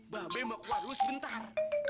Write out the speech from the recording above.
babay mau keluar dulu sebentar